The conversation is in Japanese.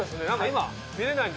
今？